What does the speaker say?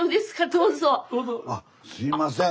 あすいません。